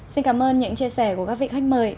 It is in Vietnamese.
xin cảm ơn những chia sẻ của các vị khách mời